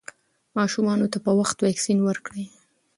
ماشومانو ته په وخت واکسین ورکړئ.